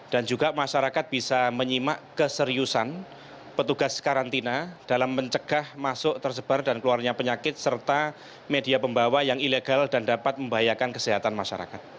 dan juga masyarakat bisa menyimak keseriusan petugas karantina dalam mencegah masuk tersebar dan keluarnya penyakit serta media pembawa yang ilegal dan dapat membahayakan kesehatan masyarakat